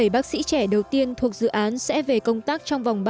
bảy bác sĩ trẻ đầu tiên thuộc dự án sẽ về công tác trong vòng ba